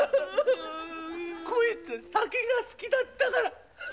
こいつ酒が好きだったから。